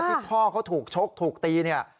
พ่อเขาถูกชกถูกตีเนี่ย